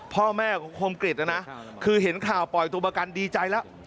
พ่อแม่ของคมกริจนะนะคือเห็นข่าวปล่อยตัวประกันดีใจแล้ว